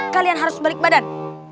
kalian harus balik badan